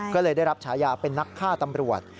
ก็เลยได้รับฉายาเป็นนักฆ่าตำรวจ